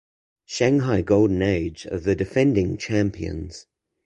Shanghai Golden Age are the defending champions.